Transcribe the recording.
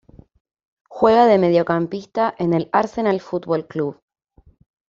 Juega de Mediocampista en Arsenal Fútbol Club.